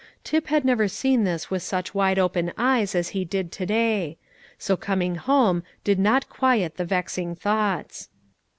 Tip had never seen this with such wide open eyes as he did today; so coming home did not quiet the vexing thoughts.